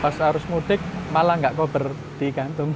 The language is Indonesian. pas harus mudik malah nggak koper di kantung